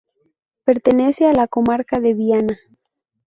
Pertenece a la comarca de Viana.